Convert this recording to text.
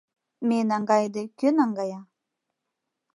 Ме наҥгайыде, кӧ наҥгая?